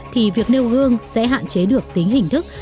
thì việc nêu gương sẽ hạn chế được tính hình thức